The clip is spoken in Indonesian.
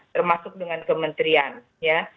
termasuk dengan kementerian ya